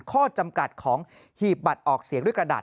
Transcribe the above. ข้อจำกัดของหีบบัตรออกเสียงด้วยกระดาษ